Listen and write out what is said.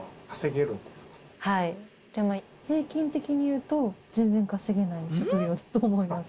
でも平均的にいうと全然稼げない職業だと思います。